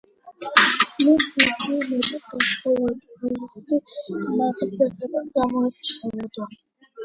ლიმბურგი მეტად განსხვავებული მახასიათებლებით გამოირჩევა.